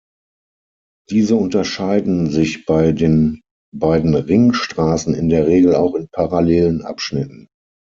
Diese unterscheiden sich bei den beiden Ringstraßen in der Regel auch in parallelen Abschnitten.